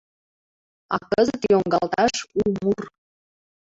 А кызыт йоҥгалташ у мур;